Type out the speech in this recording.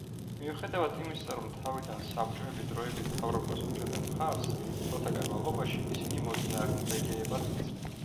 მიუხედავად იმისა, რომ თავიდან საბჭოები დროებით მთავრობას უჭერდნენ მხარს, დროთა განმავლობაში ისინი მოწინააღმდეგეებად იქცნენ.